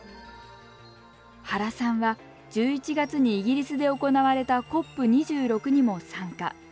原さんは１１月にイギリスで行われたＣＯＰ２６にも参加。